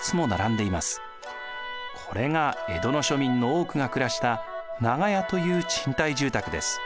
これが江戸の庶民の多くが暮らした長屋という賃貸住宅です。